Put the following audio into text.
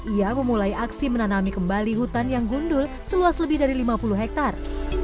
ia memulai aksi menanami kembali hutan yang gundul seluas lebih dari lima puluh hektare